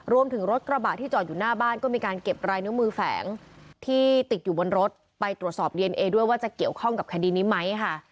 รถกระบะที่จอดอยู่หน้าบ้านก็มีการเก็บรายนิ้วมือแฝงที่ติดอยู่บนรถไปตรวจสอบดีเอนเอด้วยว่าจะเกี่ยวข้องกับคดีนี้ไหมค่ะ